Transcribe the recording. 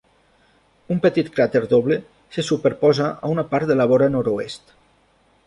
Un petit cràter doble se superposa a una part de la vora nord-oest.